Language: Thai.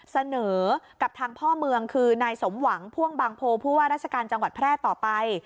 เสนอกับทางพ่อเมืองคือนายสมหวังพ่วงบางโพผู้ว่าราชการจังหวัดแพร่ต่อไป